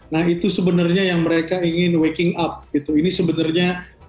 nah itu sebenarnya yang mereka ingin waking up gitu ini sebenarnya